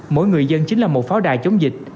mỗi người dân chính là một pháo đài chống dịch